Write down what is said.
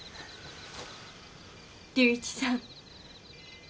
龍一さん。